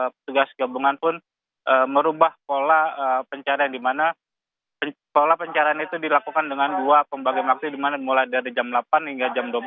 petugas gabungan pun merubah pola pencarian di mana pola pencarian itu dilakukan dengan dua pembagian aksi di mana mulai dari jam delapan hingga jam dua belas